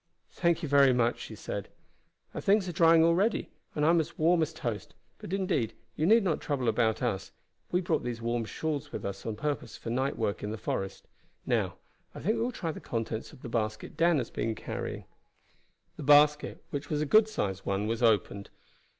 "Thank you very much," she said. "Our things are drying already, and I am as warm as a toast; but, indeed, you need not trouble about us. We brought these warm shawls with us on purpose for night work in the forest. Now, I think we will try the contents of the basket Dan has been carrying." The basket, which was a good sized one, was opened.